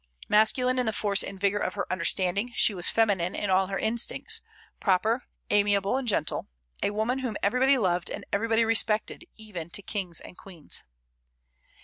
Masculine in the force and vigor of her understanding, she was feminine in all her instincts, proper, amiable, and gentle; a woman whom everybody loved and everybody respected, even to kings and queens.